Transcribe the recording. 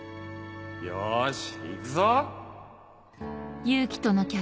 よしいくぞ！